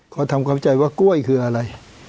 เขาทำความเข้าใจว่ากล้วยคืออะไร